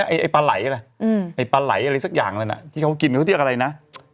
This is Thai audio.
ไอ้ปลาไหล่ล่ะไอ้ปลาไหล่อะไรสักอย่างนั้นที่เขากินเขาเรียกอะไรนะ